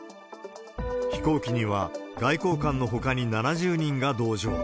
飛行機には、外交官のほかに７０人が同乗。